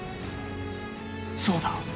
そうだ！